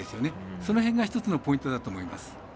その辺が一つのポイントだと思います。